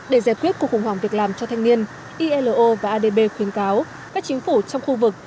để giải quyết cuộc khủng hoảng việc làm cho thanh niên ilo và adb khuyến cáo các chính phủ trong khu vực